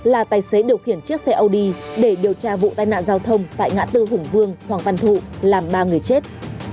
là tài xế điều khiển chiếc xe ô đi để điều tra vụ tai nạn giao thông tại ngã tư hùng vương hoàng văn thụ làm ba người chết